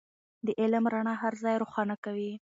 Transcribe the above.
د علم رڼا هر ځای روښانه کوي.